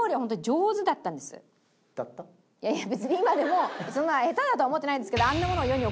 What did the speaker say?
いやいや別に今でもそんな下手だとは思ってないですけど。